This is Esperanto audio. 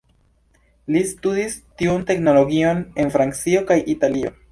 Li studis tiun teknologion en Francio kaj Italio.